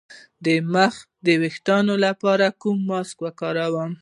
د مخ د ويښتانو لپاره کوم ماسک وکاروم؟